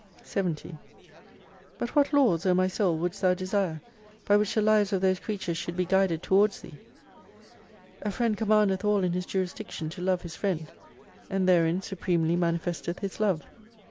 51 70 But what laws O my Soul wouldst thou desire, by which the lives of those creatures should be guided towards Thee ? A friend commandeth all in his juris diction to love his friend ; and therein supremely manifesteth his love.